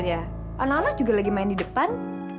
iya anak anak juga lagi main di depan